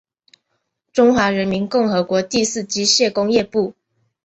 中华人民共和国第四机械工业部。